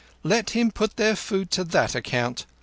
"Let him put their food to that account.